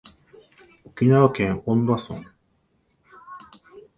沖縄県恩納村